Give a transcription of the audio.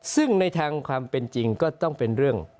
ซึ่งในทางความเป็นจริงก็ต้องเป็นเรื่อง